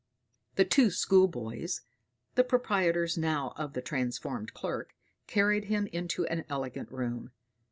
The two schoolboys, the proprietors now of the transformed clerk, carried him into an elegant room.